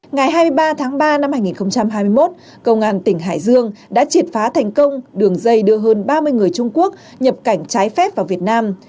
ngày hai mươi ba tháng ba năm hai nghìn hai mươi một công an tỉnh hải dương đã triệt phá thành công đường dây đưa hơn ba mươi người trung quốc nhập cảnh trái phép vào việt nam